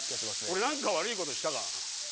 俺何か悪いことしたか？